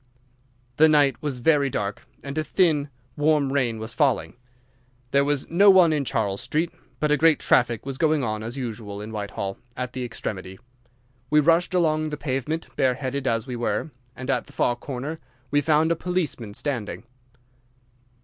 "The night was very dark, and a thin, warm rain was falling. There was no one in Charles Street, but a great traffic was going on, as usual, in Whitehall, at the extremity. We rushed along the pavement, bare headed as we were, and at the far corner we found a policeman standing.